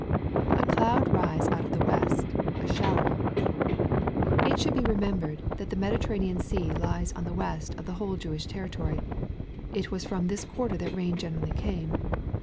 [A cloud rise out of the west^a shower^ It should be remem« bered that the Mediterranean sea lies on the West of the whole Jewish territory. It was from this quarter that rain generally came.